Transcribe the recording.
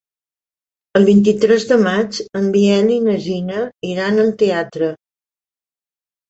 El vint-i-tres de maig en Biel i na Gina iran al teatre.